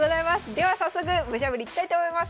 では早速ムチャぶりいきたいと思います。